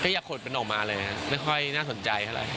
ก็อย่าขุดออกมาเลยนะครับไม่ค่อน่าสนใจอะไร